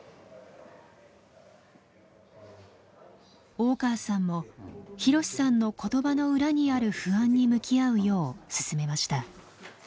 大川さんもひろしさんの言葉の裏にある不安に向き合うよう勧めました。